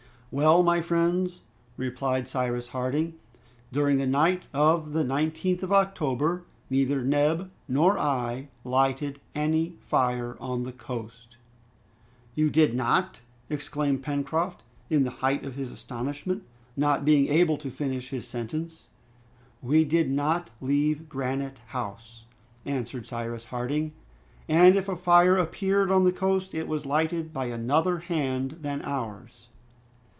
"Well, my friends," replied Cyrus Harding, "during the night of the 19th of October, neither Neb nor I lighted any fire on the coast." "You did not!" exclaimed Pencroft, in the height of his astonishment, not being able to finish his sentence. "We did not leave Granite House," answered Cyrus Harding, "and if a fire appeared on the coast, it was lighted by another hand than ours!"